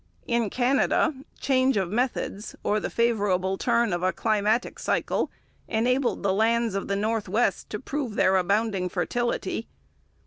In Canada change of methods, or the favourable turn of a climatic cycle, enabled the lands of the North West to prove their abounding fertility.